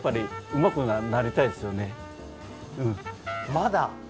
まだ？